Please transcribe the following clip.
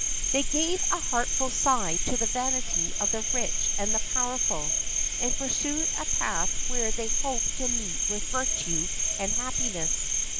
They gave a heartfelt sigh to the vanity of the rich and the powerful; and pursued a path where they hoped to meet with virtue and happiness.